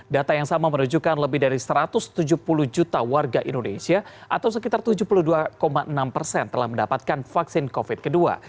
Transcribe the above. data yang sama menunjukkan lebih dari satu ratus tujuh puluh juta warga indonesia atau sekitar tujuh puluh dua enam persen telah mendapatkan vaksin covid kedua